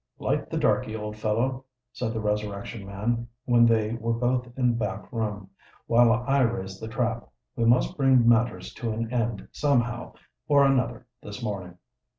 "Light the darkey, old fellow," said the Resurrection Man, when they were both in the back room; "while I raise the trap. We must bring matters to an end somehow or another this morning."